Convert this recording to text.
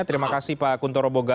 terima kasih pak kuntoro boga